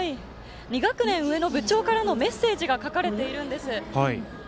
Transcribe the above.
２学年上の部長からのメッセージが書かれているんです。